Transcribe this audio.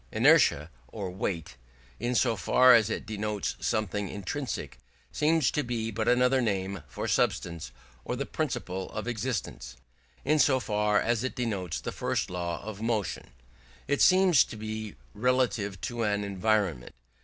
Inertia, or weight, in so far as it denotes something intrinsic, seems to be but another name for substance or the principle of existence: in so far as it denotes the first law of motion, it seems to be relative to an environment.